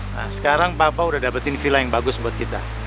nah sekarang papa udah dapetin villa yang bagus buat kita